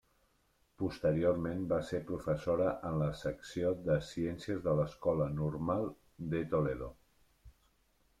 Posteriorment va ser professora en la Secció de Ciències de l'Escola Normal de Toledo.